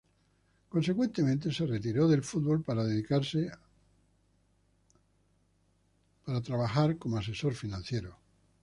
Consecuentemente se retiró del fútbol para dedicarse como asesor financiero.